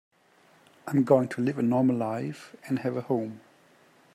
I'm going to live a normal life and have a home.